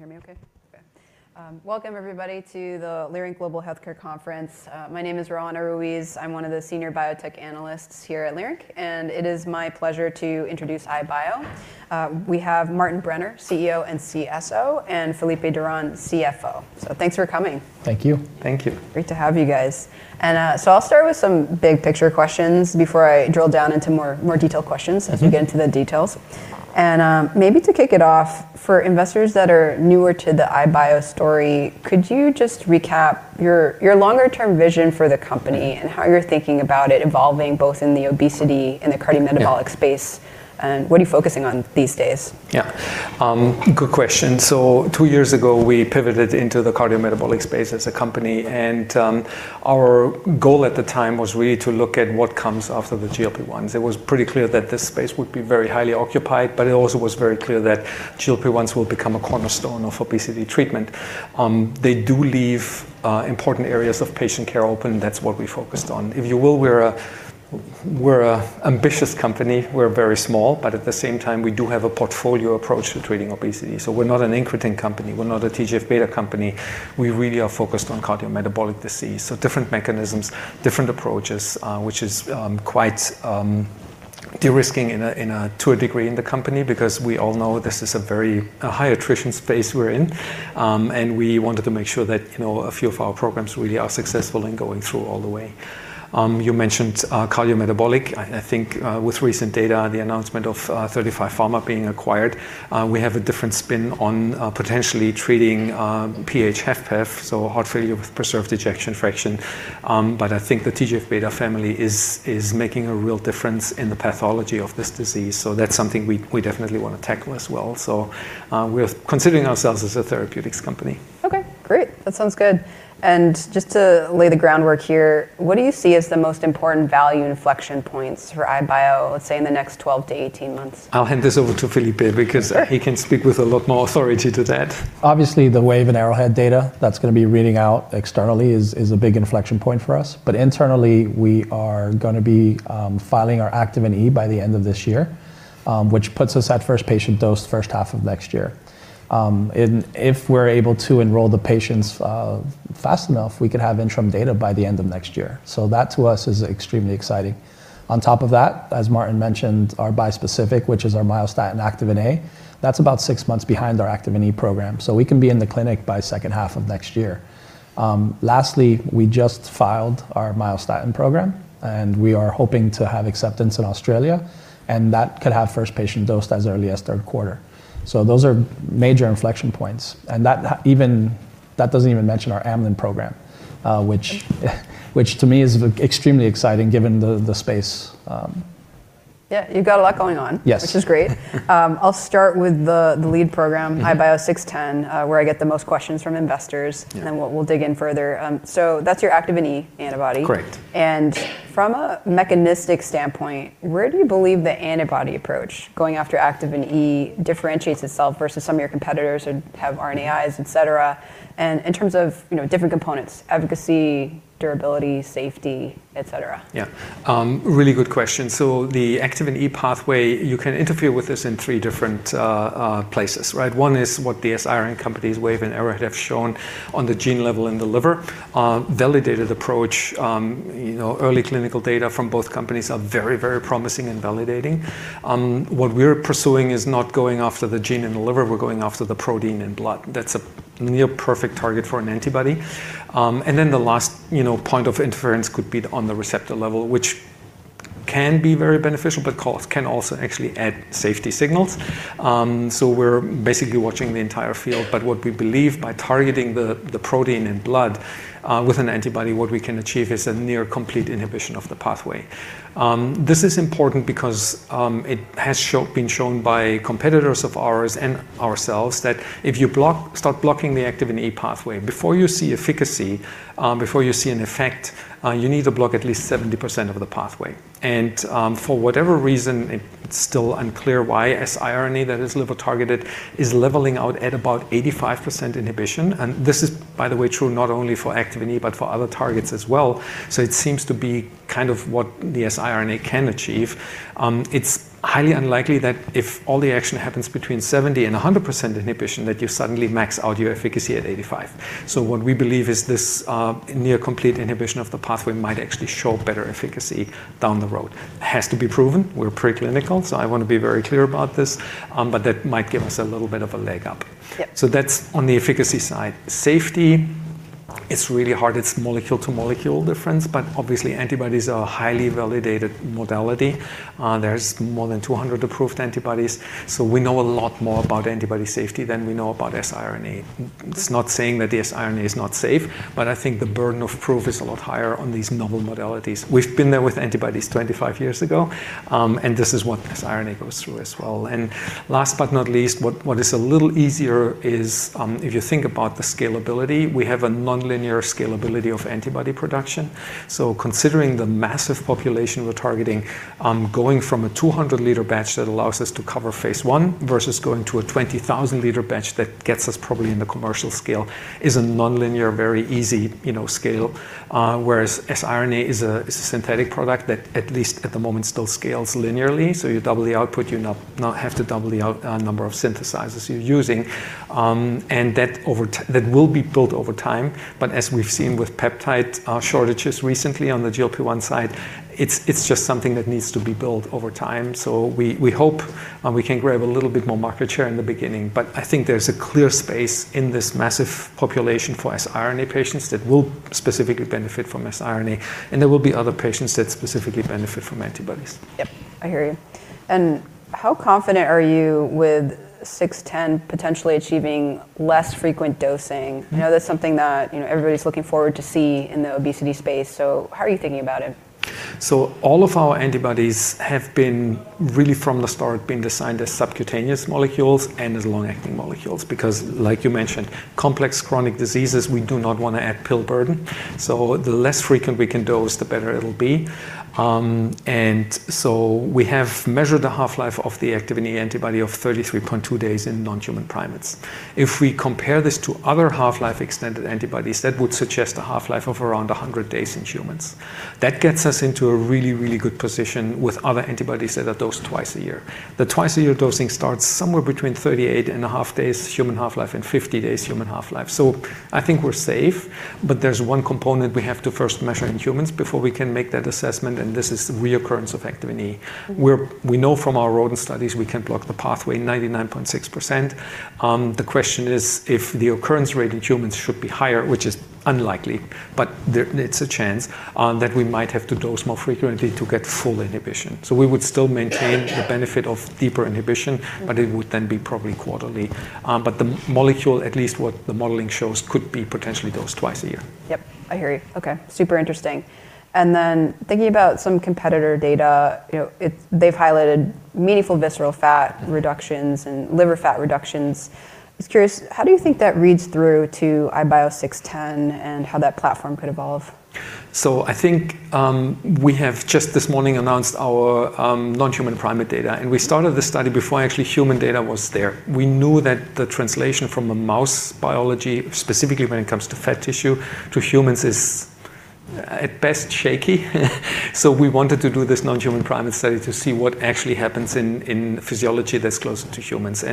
You hear me okay? Okay. Welcome everybody to the Leerink Global Healthcare Conference. My name is Roanna Ruiz. I'm one of the senior biotech analysts here at Leerink, and it is my pleasure to introduce iBio. We have Martin Brenner, CEO and CSO, and Felipe Duran, CFO. Thanks for coming. Thank you. Thank you. Great to have you guys. I'll start with some big picture questions before I drill down into more detailed questions as we get into the details. Maybe to kick it off, for investors that are newer to the iBio story, could you just recap your longer term vision for the company and how you're thinking about it evolving both in the obesity and the cardiometabolic- Yeah. -space, what are you focusing on these days? Yeah. Good question. Two years ago, we pivoted into the cardiometabolic space as a company, and our goal at the time was really to look at what comes after the GLP-1s. It was pretty clear that this space would be very highly occupied, but it also was very clear that GLP-1s will become a cornerstone of obesity treatment. They do leave important areas of patient care open. That's what we focused on. If you will, we're a ambitious company. We're very small, but at the same time, we do have a portfolio approach to treating obesity. We're not an incretin company. We're not a TGF-beta company. We really are focused on cardiometabolic disease. Different mechanisms, different approaches, which is quite de-risking to a degree in the company because we all know this is a very high attrition space we're in. We wanted to make sure that, you know, a few of our programs really are successful in going through all the way. You mentioned cardiometabolic. I think with recent data, the announcement of 35Pharma being acquired, we have a different spin on potentially treating PH-HFpEF, so heart failure with preserved ejection fraction. I think the TGF-beta family is making a real difference in the pathology of this disease, so that's something we definitely wanna tackle as well. We're considering ourselves as a therapeutics company. Okay. Great. That sounds good. Just to lay the groundwork here, what do you see as the most important value inflection points for iBio, let's say in the next 12 to 18 months? I'll hand this over to Felipe because- Sure. -he can speak with a lot more authority to that. Obviously, the Wave and Arrowhead data that's going to be reading out externally is a big inflection point for us. Internally, we are going to be filing our Activin E by the end of this year, which puts us at first patient dose first half of next year. If we're able to enroll the patients fast enough, we could have interim data by the end of next year. That to us is extremely exciting. On top of that, as Martin mentioned, our bispecific, which is our myostatin activin A, that's about six months behind our Activin E program, so we can be in the clinic by second half of next year. Lastly, we just filed our myostatin program, and we are hoping to have acceptance in Australia, and that could have first patient dosed as early as third quarter. Those are major inflection points. That doesn't even mention our Amylin program, which... Which to me is extremely exciting given the space. Yeah, you've got a lot going on. Yes. which is great. I'll start with the lead program. Yeah. IBIO-610, where I get the most questions from investors- Yeah. -we'll dig in further. That's your Activin E antibody. Correct. From a mechanistic standpoint, where do you believe the antibody approach going after Activin E differentiates itself versus some of your competitors who have RNAs, et cetera, and in terms of, you know, different components, efficacy, durability, safety, et cetera? Yeah. Really good question. The Activin E pathway, you can interfere with this in three different places, right? One is what the siRNA companies, Wave and Arrowhead, have shown on the gene level in the liver. Validated approach, you know, early clinical data from both companies are very, very promising and validating. What we're pursuing is not going after the gene in the liver, we're going after the protein in blood. That's a near perfect target for an antibody. The last, you know, point of interference could be on the receptor level, which can be very beneficial, but can also actually add safety signals. We're basically watching the entire field. What we believe by targeting the protein in blood, with an antibody, what we can achieve is a near complete inhibition of the pathway. This is important because it has been shown by competitors of ours and ourselves that if you start blocking the Activin E pathway, before you see efficacy, before you see an effect, you need to block at least 70% of the pathway. For whatever reason, it's still unclear why siRNA that is liver targeted is leveling out at about 85% inhibition. This is, by the way, true not only for Activin E, but for other targets as well. It seems to be kind of what the siRNA can achieve. It's highly unlikely that if all the action happens between 70% and 100% inhibition, that you suddenly max out your efficacy at 85%. What we believe is this near complete inhibition of the pathway might actually show better efficacy down the road. It has to be proven. We're preclinical, so I wanna be very clear about this, but that might give us a little bit of a leg up. Yeah. That's on the efficacy side. Safety, it's really hard. It's molecule to molecule difference, but obviously, antibodies are a highly validated modality. There's more than 200 approved antibodies, so we know a lot more about antibody safety than we know about siRNA. It's not saying that the siRNA is not safe, but I think the burden of proof is a lot higher on these novel modalities. We've been there with antibodies 25 years ago, and this is what siRNA goes through as well. Last but not least, what is a little easier is, if you think about the scalability, we have a nonlinear scalability of antibody production. So considering the massive population we're targeting, going from a 200 L batch that allows us to cover phase I versus going to a 20,000 L batch that gets us probably in the commercial scale is a nonlinear, very easy, you know, scale. Whereas siRNA is a synthetic product that at least at the moment still scales linearly. So you double the output, you not have to double the number of synthesizers you're using, and that will be built over time. But as we've seen with peptide shortages recently on the GLP-1 side, it's just something that needs to be built over time. We hope we can grab a little bit more market share in the beginning. I think there's a clear space in this massive population for siRNA patients that will specifically benefit from siRNA. There will be other patients that specifically benefit from antibodies. Yep. I hear you. How confident are you with IBIO-610 potentially achieving less frequent dosing? You know, that's something that, you know, everybody's looking forward to see in the obesity space, how are you thinking about it? All of our antibodies have been really from the start, been designed as subcutaneous molecules and as long-acting molecules, because like you mentioned, complex chronic diseases, we do not wanna add pill burden. The less frequent we can dose, the better it'll be. We have measured the half-life of the activin A antibody of 33.2 days in non-human primates. If we compare this to other half-life extended antibodies, that would suggest a half-life of around 100 days in humans. That gets us into a really, really good position with other antibodies that are dosed twice-a-year. The twice-a-year dosing starts somewhere between 38.5 days human half-life and 50 days human half-life. I think we're safe, but there's one component we have to first measure in humans before we can make that assessment. This is the reoccurrence of activin A. We know from our rodent studies we can block the pathway 99.6%. The question is if the occurrence rate in humans should be higher, which is unlikely, but there it's a chance that we might have to dose more frequently to get full inhibition. We would still maintain the benefit of deeper inhibition, but it would then be probably quarterly. The molecule, at least what the modeling shows, could be potentially dosed twice-a-year. Yep. I hear you. Okay. Super interesting. Thinking about some competitor data, you know, they've highlighted meaningful visceral fat reductions and liver fat reductions. I was curious, how do you think that reads through to IBIO-610 and how that platform could evolve? I think we have just this morning announced our non-human primate data. We started this study before actually human data was there. We knew that the translation from a mouse biology, specifically when it comes to fat tissue to humans, is at best shaky. We wanted to do this non-human primate study to see what actually happens in physiology that's closer to humans.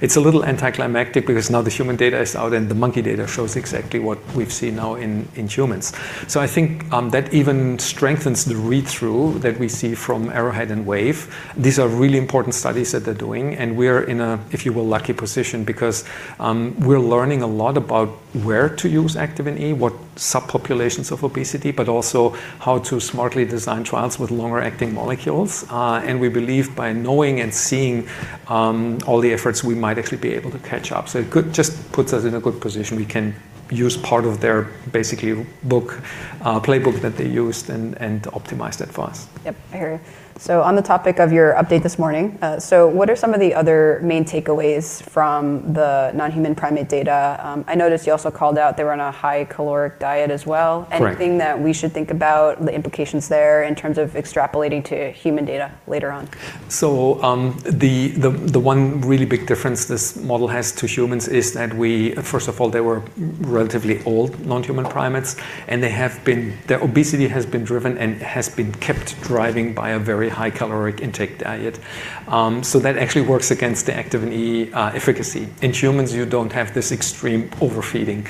It's a little anticlimactic because now the human data is out and the monkey data shows exactly what we've seen now in humans. I think that even strengthens the read-through that we see from Arrowhead and Wave. These are really important studies that they're doing, and we're in a, if you will, lucky position because we're learning a lot about where to use activin A, what subpopulations of obesity, but also how to smartly design trials with longer-acting molecules. We believe by knowing and seeing, all the efforts, we might actually be able to catch up. It could just puts us in a good position. We can use part of their basically book, playbook that they used and optimize that for us. Yep. I hear you. On the topic of your update this morning, what are some of the other main takeaways from the non-human primate data? I noticed you also called out they were on a high caloric diet as well. Correct. Anything that we should think about the implications there in terms of extrapolating to human data later on? The one really big difference this model has to humans is that first of all, they were relatively old non-human primates, and their obesity has been driven and has been kept driving by a very high caloric intake diet. That actually works against the activin A efficacy. In humans, you don't have this extreme overfeeding.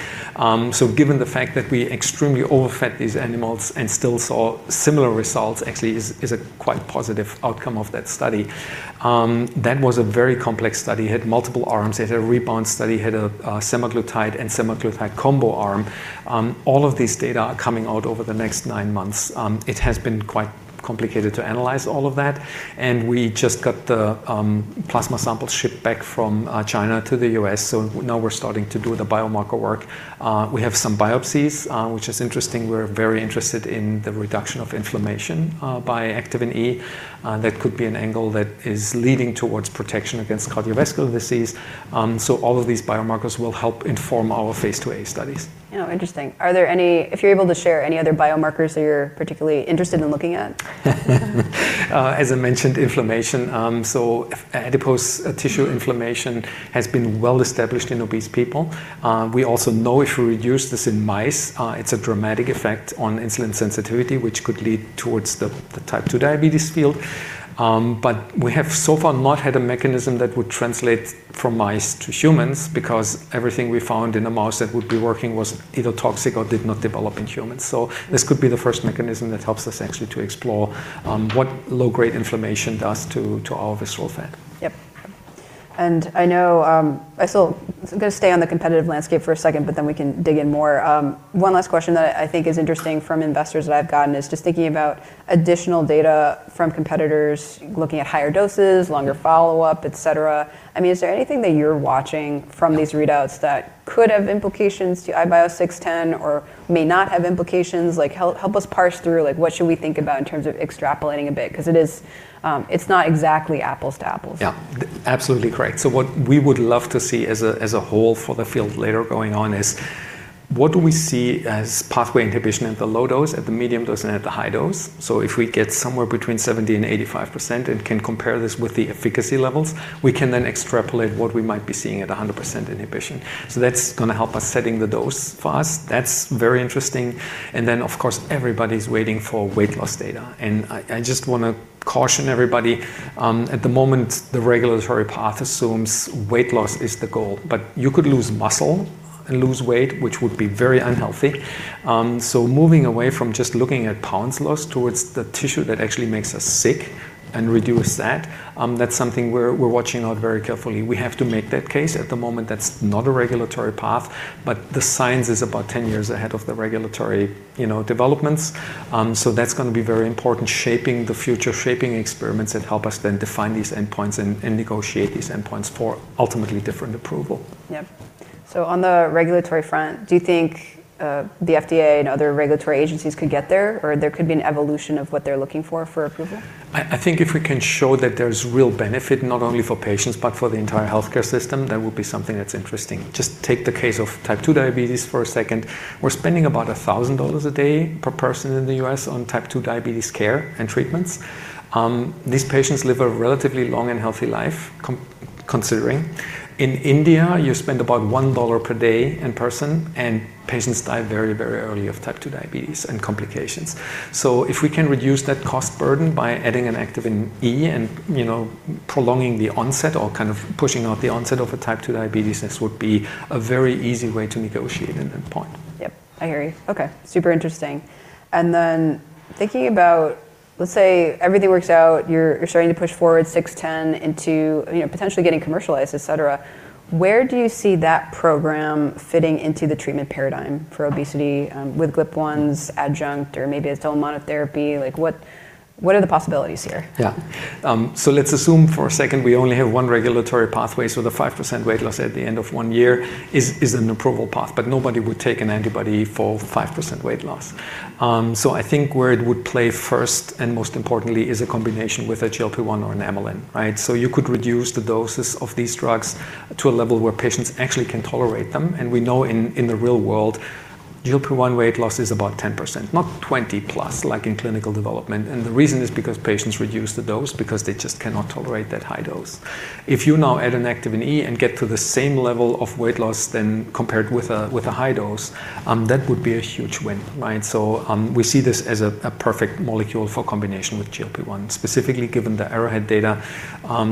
Given the fact that we extremely overfed these animals and still saw similar results actually is a quite positive outcome of that study. That was a very complex study. It had multiple arms. It had a rebound study, it had a semaglutide and semaglutide combo arm. All of these data are coming out over the next nine months. It has been quite complicated to analyze all of that, and we just got the plasma samples shipped back from China to the U.S., now we're starting to do the biomarker work. We have some biopsies, which is interesting. We're very interested in the reduction of inflammation by activin A. That could be an angle that is leading towards protection against cardiovascular disease. All of these biomarkers will help inform our phase IIa studies. Oh, interesting. If you're able to share, any other biomarkers that you're particularly interested in looking at? As I mentioned, inflammation. Adipose tissue inflammation has been well established in obese people. We also know if we reduce this in mice, it's a dramatic effect on insulin sensitivity, which could lead towards the Type 2 diabetes field. But we have so far not had a mechanism that would translate from mice to humans because everything we found in a mouse that would be working was either toxic or did not develop in humans. This could be the first mechanism that helps us actually to explore what low-grade inflammation does to our visceral fat. Yep. I know, I still gonna stay on the competitive landscape for a second, but then we can dig in more. One last question that I think is interesting from investors that I've gotten is just thinking about additional data from competitors looking at higher doses, longer follow-up, et cetera. I mean, is anything that you're watching from these readouts that could have implications to IBIO-610 or may not have implications? Like, help us parse through, like, what should we think about in terms of extrapolating a bit? 'Cause it is, it's not exactly apples to apples. Yeah. Absolutely correct. What we would love to see as a, as a whole for the field later going on is. What do we see as pathway inhibition at the low dose, at the medium dose, and at the high dose? If we get somewhere between 70% and 85% and can compare this with the efficacy levels, we can then extrapolate what we might be seeing at 100% inhibition. That's going to help us setting the dose for us. That's very interesting. Then, of course, everybody's waiting for weight loss data. I just wanna caution everybody, at the moment, the regulatory path assumes weight loss is the goal. You could lose muscle and lose weight, which would be very unhealthy. Moving away from just looking at pounds lost towards the tissue that actually makes us sick and reduce that's something we're watching out very carefully. We have to make that case. At the moment, that's not a regulatory path, but the science is about 10 years ahead of the regulatory, you know, developments. That's going to be very important, shaping the future, shaping experiments that help us then define these endpoints and negotiate these endpoints for ultimately different approval. Yep. On the regulatory front, do you think the FDA and other regulatory agencies could get there, or there could be an evolution of what they're looking for for approval? I think if we can show that there's real benefit not only for patients but for the entire healthcare system, that will be something that's interesting. Just take the case of Type 2 diabetes for a second. We're spending about $1,000 a day per person in the U.S. on Type 2 diabetes care and treatments. These patients live a relatively long and healthy life considering. In India, you spend about $1 per day in person, and patients die very, very early of Type 2 diabetes and complications. If we can reduce that cost burden by adding an Activin E and, you know, prolonging the onset or kind of pushing out the onset of a Type 2 diabetes, this would be a very easy way to negotiate an endpoint. Yep. I hear you. Okay. Super interesting. Thinking about, let's say everything works out, you're starting to push forward IBIO-610 into, you know, potentially getting commercialized, et cetera, where do you see that program fitting into the treatment paradigm for obesity, with GLP-1s adjunct or maybe as total monotherapy? Like, what are the possibilities here? Yeah. let's assume for a second we only have one regulatory pathway, so the 5% weight loss at the end of one year is an approval path. Nobody would take an antibody for 5% weight loss. I think where it would play first and most importantly is a combination with a GLP-1 or an amylin, right? You could reduce the doses of these drugs to a level where patients actually can tolerate them. We know in the real world, GLP-1 weight loss is about 10%, not 20+ like in clinical development. The reason is because patients reduce the dose because they just cannot tolerate that high dose. If you now add an Activin E and get to the same level of weight loss then compared with a high dose, that would be a huge win, right? We see this as a perfect molecule for combination with GLP-1, specifically given the Arrowhead data,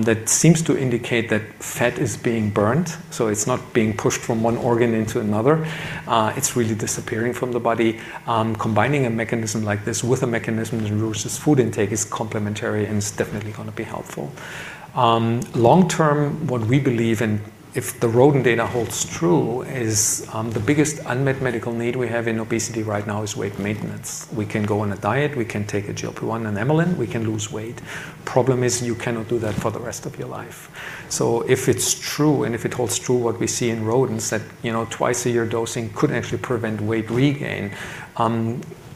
that seems to indicate that fat is being burned, so it's not being pushed from one organ into another. It's really disappearing from the body. Combining a mechanism like this with a mechanism that reduces food intake is complementary and is definitely going to be helpful. Long term, what we believe and if the rodent data holds true, is the biggest unmet medical need we have in obesity right now is weight maintenance. We can go on a diet, we can take a GLP-1 and amylin, we can lose weight. Problem is you cannot do that for the rest of your life. If it's true and if it holds true what we see in rodents that, you know, twice-a-year dosing could actually prevent weight regain,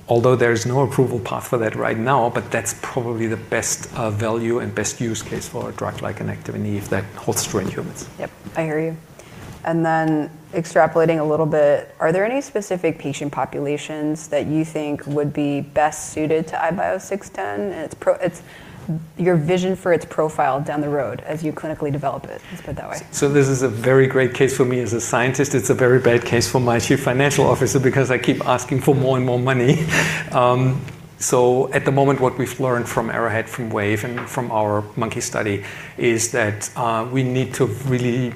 although there is no approval path for that right now, but that's probably the best value and best use case for a drug like an Activin E if that holds true in humans. Yep. I hear you. extrapolating a little bit, are there any specific patient populations that you think would be best suited to IBIO-610? Your vision for its profile down the road as you clinically develop it. Let's put it that way. This is a very great case for me as a scientist. It's a very bad case for my Chief Financial Officer because I keep asking for more and more money. At the moment, what we've learned from Arrowhead, from Wave, and from our monkey study is that, we need to really,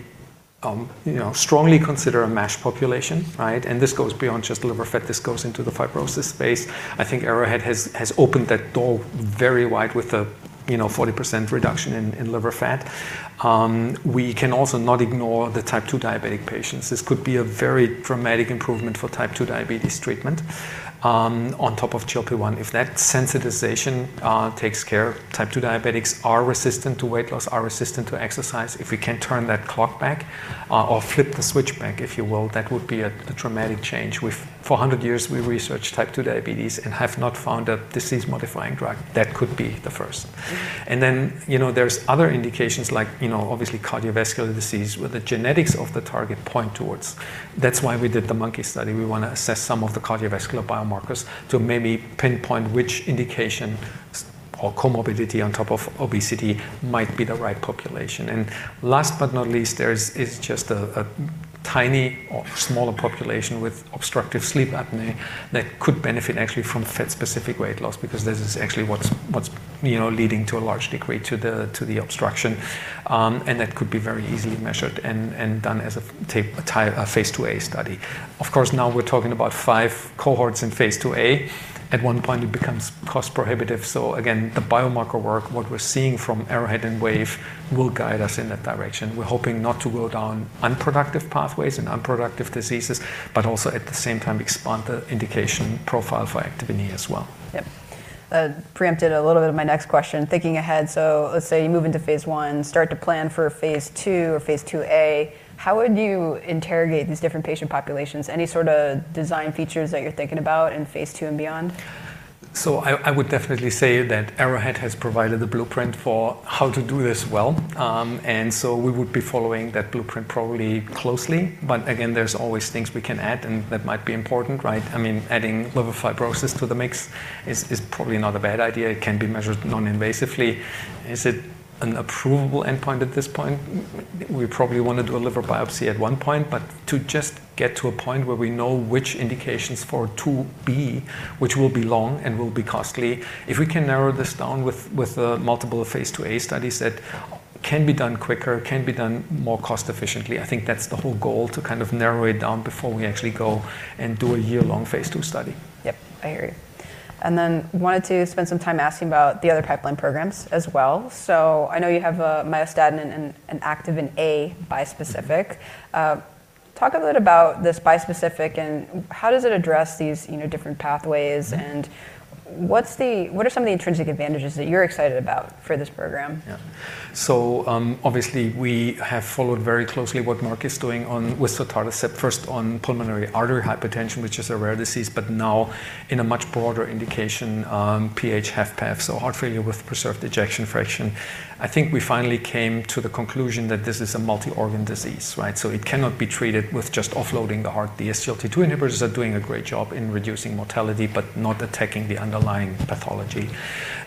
you know, strongly consider a MASH population, right? This goes beyond just liver fat. This goes into the fibrosis space. I think Arrowhead has opened that door very wide with a, you know, 40% reduction in liver fat. We can also not ignore the Type 2 diabetic patients. This could be a very dramatic improvement for Type 2 diabetes treatment, on top of GLP-1. If that sensitization, takes care, Type 2 diabetics are resistant to weight loss, are resistant to exercise. If we can turn that clock back or flip the switch back, if you will, that would be a dramatic change. For 100 years we researched Type 2 diabetes and have not found a disease-modifying drug. That could be the first. You know, there's other indications like, you know, obviously cardiovascular disease where the genetics of the target point towards. That's why we did the monkey study. We wanna assess some of the cardiovascular biomarkers to maybe pinpoint which indication or comorbidity on top of obesity might be the right population. Last but not least, there is just a tiny or smaller population with obstructive sleep apnea that could benefit actually from fat-specific weight loss because this is actually what's, you know, leading to a large degree to the, to the obstruction. That could be very easily measured and done as a phase IIa study. Of course, now we're talking about five cohorts in phase IIa. At one point it becomes cost prohibitive. Again, the biomarker work, what we're seeing from Arrowhead and Wave will guide us in that direction. We're hoping not to go down unproductive pathways and unproductive diseases, but also at the same time expand the indication profile for Activin E as well. Yep. preempted a little bit of my next question. Thinking ahead, so let's say you move into phase I, start to plan for phase II or phase IIa, how would you interrogate these different patient populations? Any sort of design features that you're thinking about in phase II and beyond? I would definitely say that Arrowhead has provided a blueprint for how to do this well. We would be following that blueprint probably closely, but again, there's always things we can add and that might be important, right? I mean, adding liver fibrosis to the mix is probably not a bad idea. It can be measured non-invasively. Is it an approvable endpoint at this point? We probably wanna do a liver biopsy at one point, but to just get to a point where we know which indications for phase IIb, which will be long and will be costly, if we can narrow this down with multiple phase IIa studies that can be done quicker, can be done more cost efficiently, I think that's the whole goal, to kind of narrow it down before we actually go and do a year-long phase II study. Yep. I hear you. Wanted to spend some time asking about the other pipeline programs as well. I know you have myostatin and activin A bispecific. Talk a bit about this bispecific and how does it address these, you know, different pathways and what are some of the intrinsic advantages that you're excited about for this program? Yeah. Obviously, we have followed very closely what Merck is doing on with Sotatercept, first on pulmonary arterial hypertension, which is a rare disease, but now in a much broader indication, PH-HFpEF, so heart failure with preserved ejection fraction. I think we finally came to the conclusion that this is a multi-organ disease, right? It cannot be treated with just offloading the heart. The SGLT2 inhibitors are doing a great job in reducing mortality, but not attacking the underlying pathology.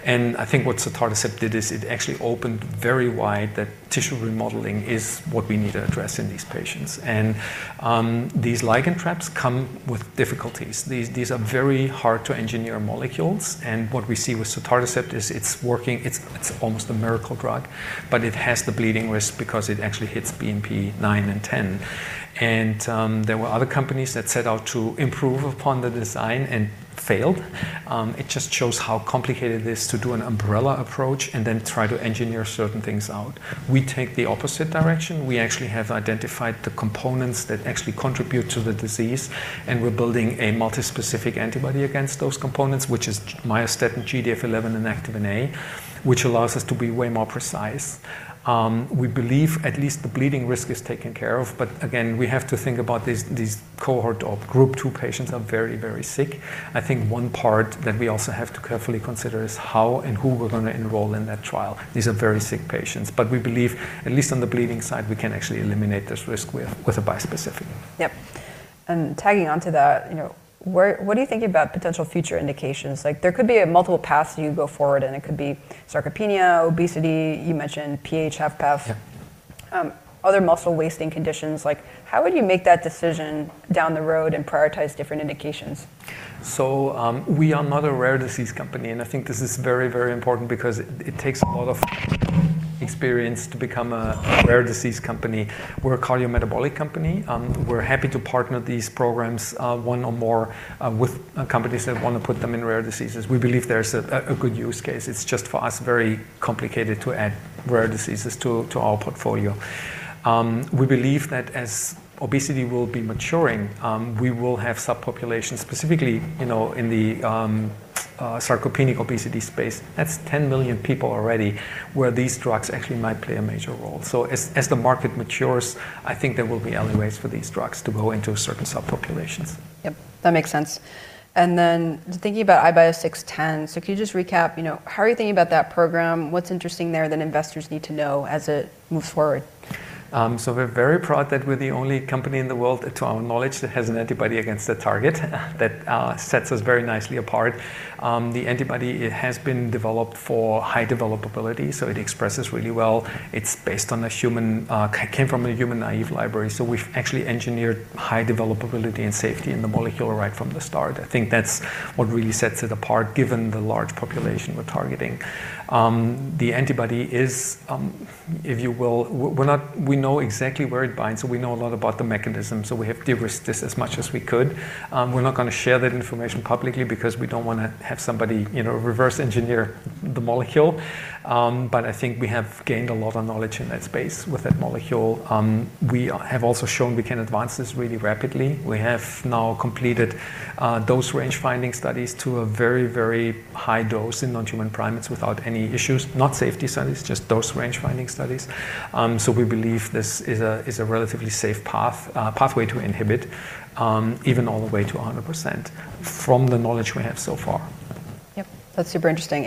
I think what Sotatercept did is it actually opened very wide that tissue remodeling is what we need to address in these patients. These ligand traps come with difficulties. These are very hard to engineer molecules. What we see with Sotatercept is it's working, it's almost a miracle drug, but it has the bleeding risk because it actually hits BMP9 and BMP10. There were other companies that set out to improve upon the design and failed. It just shows how complicated it is to do an umbrella approach and then try to engineer certain things out. We take the opposite direction. We actually have identified the components that actually contribute to the disease, and we're building a multispecific antibody against those components, which is myostatin, GDF11, and activin A, which allows us to be way more precise. We believe at least the bleeding risk is taken care of. Again, we have to think about these cohort or Group 2 patients are very sick. I think one part that we also have to carefully consider is how and who we're gonna enroll in that trial. These are very sick patients. We believe at least on the bleeding side, we can actually eliminate this risk with a bispecific. Yep. Tagging onto that, you know, what are you thinking about potential future indications? Like, there could be multiple paths you go forward, it could be sarcopenia, obesity, you mentioned PH-HFpEF. Yeah... other muscle wasting conditions. Like, how would you make that decision down the road and prioritize different indications? We are not a rare disease company, and I think this is very, very important because it takes a lot of experience to become a rare disease company. We're a cardiometabolic company. We're happy to partner these programs, one or more, with companies that wanna put them in rare diseases. We believe there's a good use case. It's just, for us, very complicated to add rare diseases to our portfolio. We believe that as obesity will be maturing, we will have subpopulations specifically, you know, in the sarcopenic obesity space. That's 10 million people already where these drugs actually might play a major role. As the market matures, I think there will be alleyways for these drugs to go into certain subpopulations. Yep, that makes sense. Thinking about IBIO-610. Could you just recap, you know, how are you thinking about that program? What's interesting there that investors need to know as it moves forward? We're very proud that we're the only company in the world, to our knowledge, that has an antibody against the target. That sets us very nicely apart. The antibody has been developed for high developability, so it expresses really well. It's based on a human. It came from a human naive library, so we've actually engineered high developability and safety in the molecule right from the start. I think that's what really sets it apart given the large population we're targeting. The antibody is, if you will. We know exactly where it binds, so we know a lot about the mechanism, so we have de-risked this as much as we could. We're not gonna share that information publicly because we don't wanna have somebody, you know, reverse engineer the molecule. I think we have gained a lot of knowledge in that space with that molecule. We have also shown we can advance this really rapidly. We have now completed dose range-finding studies to a very, very high dose in non-human primates without any issues. Not safety studies, just dose range-finding studies. We believe this is a relatively safe path, pathway to inhibit even all the way to 100% from the knowledge we have so far. Yep. That's super interesting.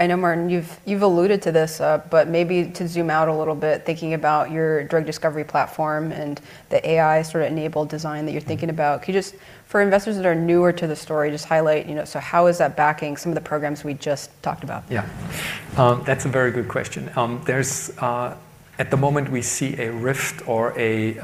I know, Martin, you've alluded to this, but maybe to zoom out a little bit, thinking about your drug discovery platform and the AI sort of enabled design that you're thinking about. Could you just, for investors that are newer to the story, just highlight, you know, so how is that backing some of the programs we just talked about? Yeah. That's a very good question. There's, at the moment, we see a rift or a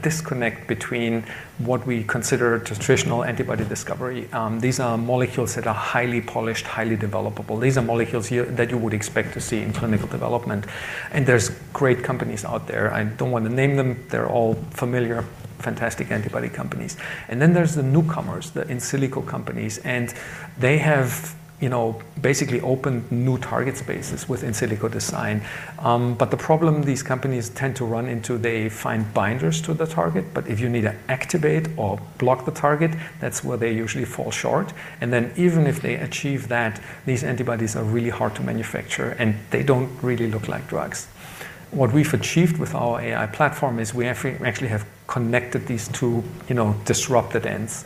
disconnect between what we consider traditional antibody discovery. These are molecules that are highly polished, highly developable. These are molecules that you would expect to see in clinical development. There's great companies out there, I don't wanna name them, they're all familiar, fantastic antibody companies. There's the newcomers, the in silico companies, and they have, you know, basically opened new target spaces with in silico design. The problem these companies tend to run into, they find binders to the target, but if you need to activate or block the target, that's where they usually fall short. Even if they achieve that, these antibodies are really hard to manufacture, and they don't really look like drugs. What we've achieved with our AI platform is we actually have connected these two, you know, disrupted ends.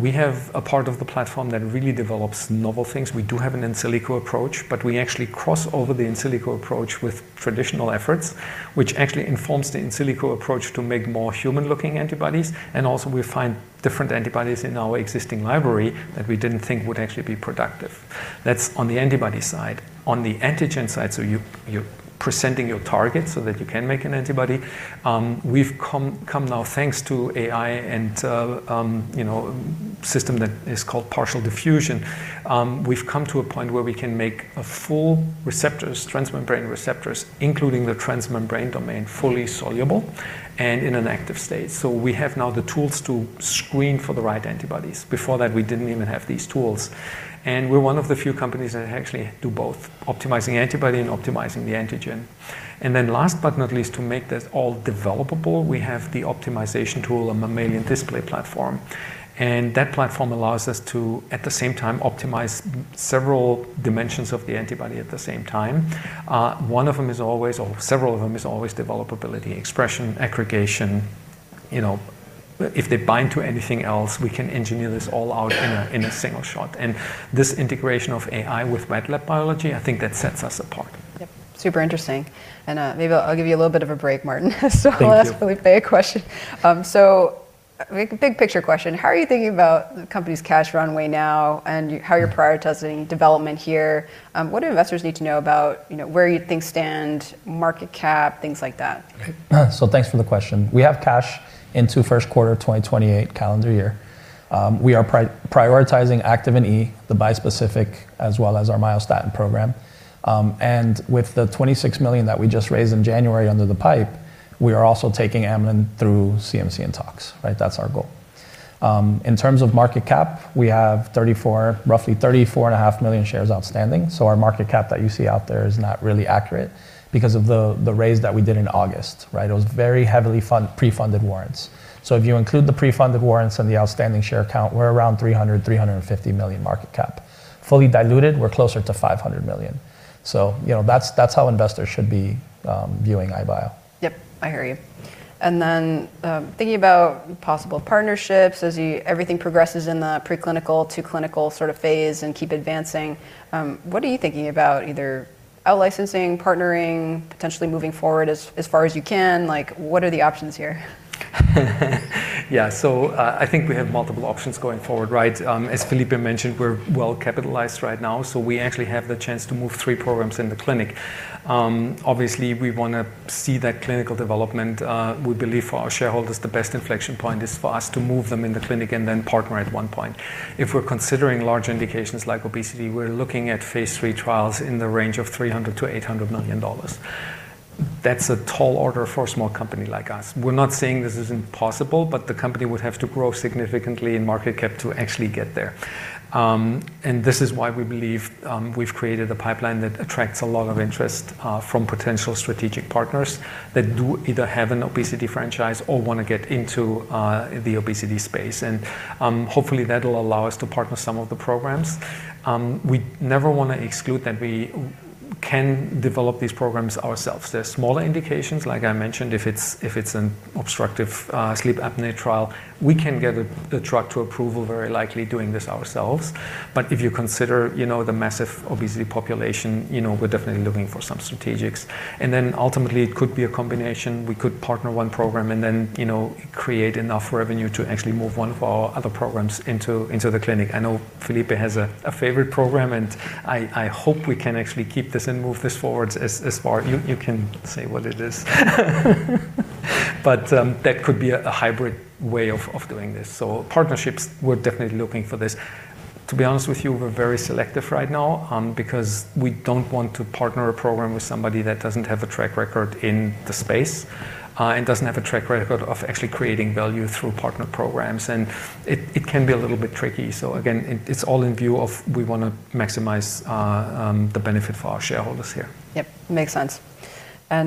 We have a part of the platform that really develops novel things. We do have an in silico approach, but we actually cross over the in silico approach with traditional efforts, which actually informs the in silico approach to make more human-looking antibodies, and also we find different antibodies in our existing library that we didn't think would actually be productive. That's on the antibody side. On the antigen side, so you're presenting your target so that you can make an antibody, we've come now, thanks to AI and to, you know, system that is called partial diffusion, we've come to a point where we can make a full receptors, transmembrane receptors, including the transmembrane domain, fully soluble and in an active state. We have now the tools to screen for the right antibodies. Before that, we didn't even have these tools. We're one of the few companies that actually do both, optimizing antibody and optimizing the antigen. Last but not least, to make this all developable, we have the optimization tool, a mammalian display platform. That platform allows us to, at the same time, optimize several dimensions of the antibody at the same time. Several of them is always developability, expression, aggregation, you know. If they bind to anything else, we can engineer this all out in a single shot. This integration of AI with wet lab biology, I think that sets us apart. Yep. Super interesting. Maybe I'll give you a little bit of a break, Martin. Thank you. I'll ask Felipe a question. Like a big picture question, how are you thinking about the company's cash runway now and how you're prioritizing development here? What do investors need to know about, you know, where you think stand, market cap, things like that? Thanks for the question. We have cash into first quarter of 2028 calendar year. We are prioritizing Activin E, the bispecific, as well as our myostatin program. With the $26 million that we just raised in January under the PIPE, we are also taking Amylin through CMC in talks, right? That's our goal. In terms of market cap, we have roughly 34.5 million shares outstanding. Our market cap that you see out there is not really accurate because of the raise that we did in August, right? It was very heavily pre-funded warrants. If you include the pre-funded warrants and the outstanding share count, we're around $350 million market cap. Fully diluted, we're closer to $500 million. You know, that's how investors should be viewing iBio. Yep. I hear you. Thinking about possible partnerships as everything progresses in the preclinical to clinical sort of phase and keep advancing, what are you thinking about either out-licensing, partnering, potentially moving forward as far as you can? Like, what are the options here? Yeah. I think we have multiple options going forward, right? As Felipe mentioned, we're well capitalized right now, we actually have the chance to move three programs in the clinic. Obviously, we wanna see that clinical development. We believe for our shareholders, the best inflection point is for us to move them in the clinic and partner at one point. If we're considering large indications like obesity, we're looking at phase III trials in the range of $300 million-$800 million. That's a tall order for a small company like us. We're not saying this is impossible, the company would have to grow significantly in market cap to actually get there. This is why we believe we've created a pipeline that attracts a lot of interest from potential strategic partners that do either have an obesity franchise or wanna get into the obesity space. Hopefully, that'll allow us to partner some of the programs. We never wanna exclude that we can develop these programs ourselves. They're smaller indications. Like I mentioned, if it's an obstructive sleep apnea trial, we can get the drug to approval very likely doing this ourselves. If you consider, you know, the massive obesity population, you know, we're definitely looking for some strategics. Ultimately, it could be a combination. We could partner one program and then, you know, create enough revenue to actually move one of our other programs into the clinic. I know Felipe has a favorite program, and I hope we can actually keep this and move this forward as far. You can say what it is. But that could be a hybrid way of doing this. Partnerships, we're definitely looking for this. To be honest with you, we're very selective right now because we don't want to partner a program with somebody that doesn't have a track record in the space and doesn't have a track record of actually creating value through partner programs. It can be a little bit tricky. Again, it's all in view of we wanna maximize the benefit for our shareholders here. Yep. Makes sense. I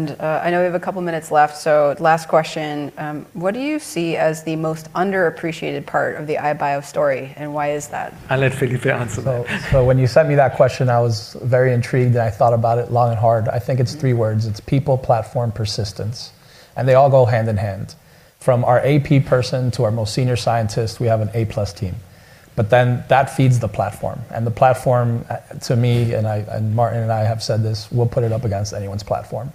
know we have a couple of minutes left, so last question. What do you see as the most underappreciated part of the iBio story, and why is that? I'll let Felipe answer that. When you sent me that question, I was very intrigued, and I thought about it long and hard. I think it's three words. It's people, platform, persistence. They all go hand in hand. From our AP person to our most senior scientist, we have an A+ team. That feeds the platform, and the platform, to me, and Martin and I have said this, we'll put it up against anyone's platform.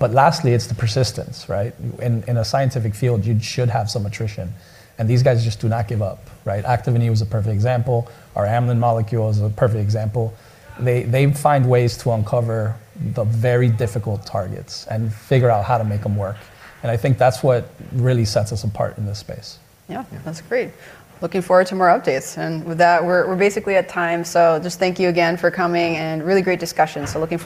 Lastly, it's the persistence, right? In a scientific field, you should have some attrition, and these guys just do not give up, right? Activin E was a perfect example. Our Amylin molecule is a perfect example. They find ways to uncover the very difficult targets and figure out how to make them work. I think that's what really sets us apart in this space. Yeah. That's great. Looking forward to more updates. With that, we're basically at time. Just thank you again for coming, and really great discussion. Looking forward.